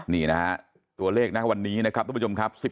นี่นะฮะตัวเลขนะวันนี้นะครับทุกผู้ชมครับ